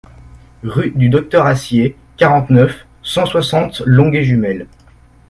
Rue du Docteur Assier, quarante-neuf, cent soixante Longué-Jumelles